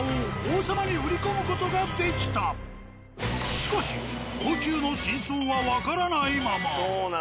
無事王様にしかし王宮の真相はわからないまま。